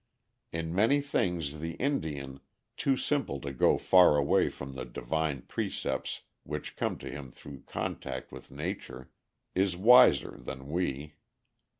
In many things the Indian, too simple to go far away from the Divine precepts which come to him through contact with nature, is wiser than we.